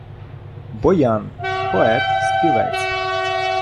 Боян — поет, співець